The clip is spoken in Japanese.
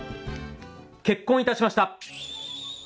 結婚いたしました。